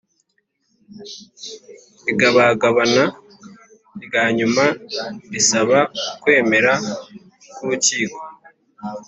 Igabagabana rya nyuma risaba ukwemera k urukiko